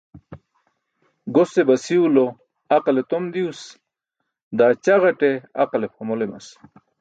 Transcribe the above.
Gose basiw lo aqale tom diws, daa ćaġate aqale pʰamol emas.